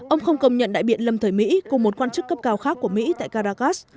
ông không công nhận đại biện lâm thời mỹ cùng một quan chức cấp cao khác của mỹ tại caracas